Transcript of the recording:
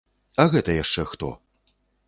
А гэта яшчэ хто?